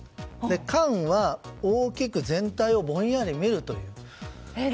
観は大きく全体をぼんやり見るという。